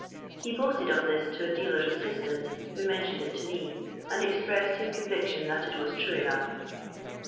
He boasted of this to a dealer's assistant who mentioned it to me, and expressed his eonyiction that it was true enough.